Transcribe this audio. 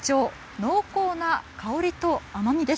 濃厚な香りと甘みです。